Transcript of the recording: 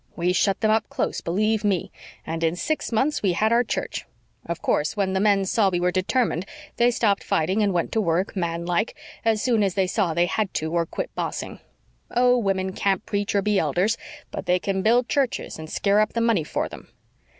We shut them up close, believe ME, and in six months we had our church. Of course, when the men saw we were determined they stopped fighting and went to work, man like, as soon as they saw they had to, or quit bossing. Oh, women can't preach or be elders; but they can build churches and scare up the money for them."